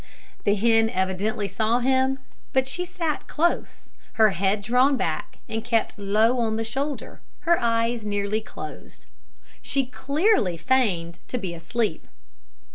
The hen evidently saw him, but she sat close, her head drawn back and kept low on the shoulder, her eyes nearly closed. She clearly feigned to be asleep.